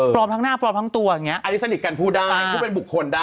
ทั้งหน้าปลอมทั้งตัวอย่างนี้อันนี้สนิทกันพูดได้พูดเป็นบุคคลได้